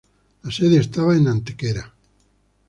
La sede estaba en Antequera.